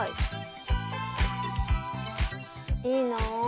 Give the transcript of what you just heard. いいな。